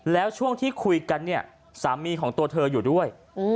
แล้วช่วงที่คุยกันเนี่ยสามีของตัวเธออยู่ด้วย